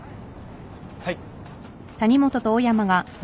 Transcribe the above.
はい。